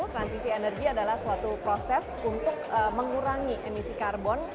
transisi energi adalah suatu proses untuk mengurangi emisi karbon